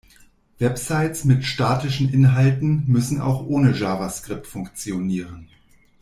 Websites mit statischen Inhalten müssen auch ohne Javascript funktionieren.